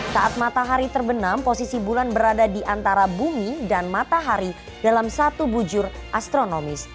saat matahari terbenam posisi bulan berada di antara bumi dan matahari dalam satu bujur astronomis